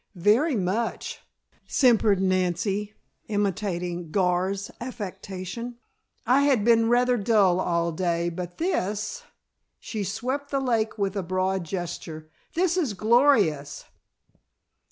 "Very much," simpered Nancy imitating Gar's affectation. "I had been rather dull all day, but this " she swept the lake with a broad gesture "this is glorious."